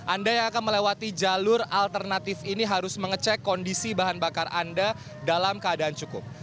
anda yang akan melewati jalur alternatif ini harus mengecek kondisi bahan bakar anda dalam keadaan cukup